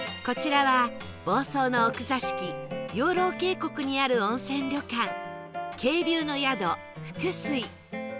こちらは房総の奥座敷養老渓谷にある温泉旅館渓流の宿福水